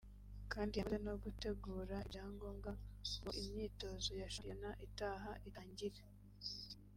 kandi yamaze no gutegura ibyangombwa ngo imyitozo ya shampiyona itaha itangire